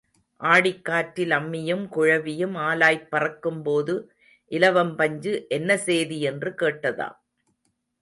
ஆடிக் காற்றில் அம்மியும் குழவியும் ஆலாய்ப் பறக்கும் போது இலவம் பஞ்சு என்ன சேதி என்று கேட்டதாம்.